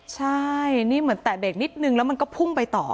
ใช่นี่เหมือนแตะเบรกนิดนึงแล้วมันก็พุ่งไปต่อ